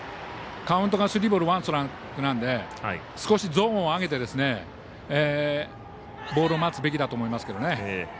カウントがスリーボールワンストライクなので少しゾーンを上げてボールを待つべきだと思いますけどね。